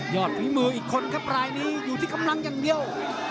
ฝีมืออีกคนครับรายนี้อยู่ที่กำลังอย่างเดียว